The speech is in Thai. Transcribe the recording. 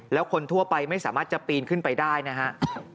แล้วคนทั่วไปไม่สามารถจะปีนขึ้นไปได้นะครับ